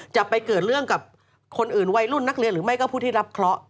จะไปเกิดเรื่องกับคนอื่นวัยรุ่นนักเรียนหรือไม่ก็ผู้ที่รับเคราะห์